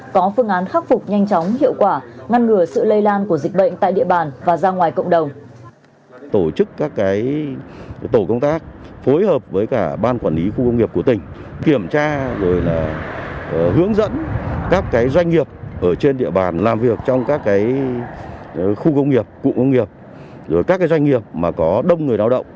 có phương án khắc phục nhanh chóng hiệu quả ngăn ngừa sự lây lan của dịch bệnh tại địa bàn và ra ngoài cộng đồng